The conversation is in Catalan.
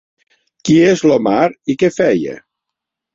Qui és l'Omar i què feia?